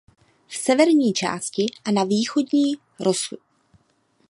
V severní části a na východní rozsoše jsou výškové rozdíly minimální.